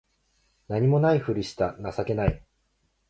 何も無いふりした情けない